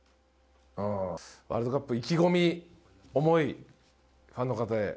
ワールドカップ意気込み、思いファンの方へ。